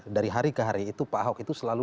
dari hari ke hari itu pak ahok itu selalu